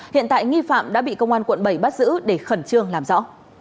hiện tại nghi phạm đã bị công an quận bảy bắt giữ để khẩn trương làm rõ